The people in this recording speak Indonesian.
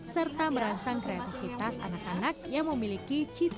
serta merangsang kreativitas anak anak yang memiliki cita cita